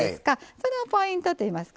そのポイントといいますか。